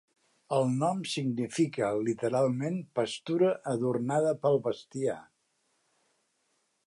El nom significa, literalment, pastura adornada pel bestiar.